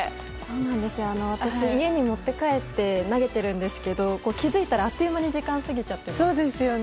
私、家に持って帰って投げてるんですけど気づいたら、あっという間に時間が過ぎちゃっています。